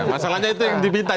masalahnya itu yang dipinta